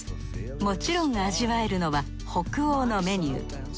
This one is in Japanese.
もちろん味わえるのは北欧のメニュー。